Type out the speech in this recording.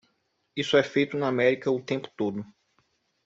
Isso é feito na América o tempo todo.